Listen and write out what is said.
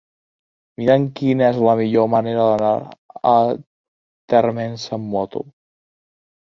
Mira'm quina és la millor manera d'anar a Térmens amb moto.